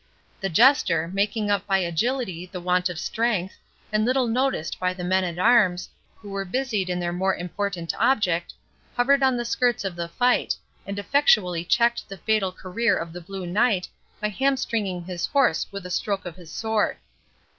The Jester, making up by agility the want of strength, and little noticed by the men at arms, who were busied in their more important object, hovered on the skirts of the fight, and effectually checked the fatal career of the Blue Knight, by hamstringing his horse with a stroke of his sword.